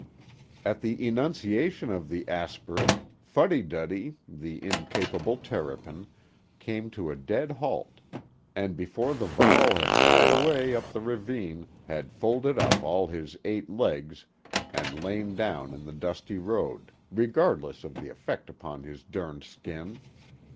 At the enunciation of the aspirate, Fuddy Duddy, the incapable terrapin, came to a dead halt, and before the vowel had died away up the ravine had folded up all his eight legs and lain down in the dusty road, regardless of the effect upon his derned skin.